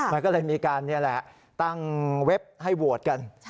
มันก็เลยมีการตั้งเว็บให้โหวดกัน